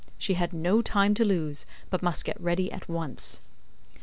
She had no time to lose, but must get ready at once.